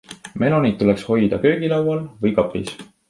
Meloneid tuleks hoida köögilaual-või kapis.